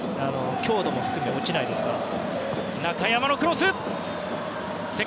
強度も含め、落ちないですから。